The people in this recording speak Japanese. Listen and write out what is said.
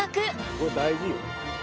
これ大事よ。